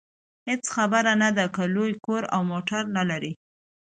هېڅ خبره نه ده که لوی کور او موټر نلرئ.